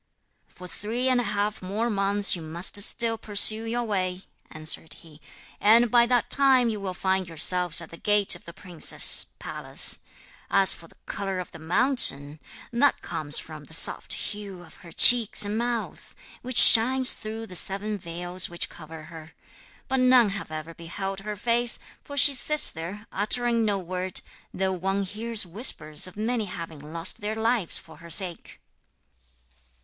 'For three and a half more months you must still pursue your way,' answered he, 'and by that time you will find yourselves at the gate of the princess's palace. As for the colour of the mountain, that comes from the soft hue of her cheeks and mouth, which shines through the seven veils which cover her. But none have ever beheld her face, for she sits there, uttering no word, though one hears whispers of many having lost their lives for her sake.'